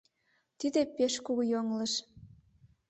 Тиде пеш кугу йоҥылыш.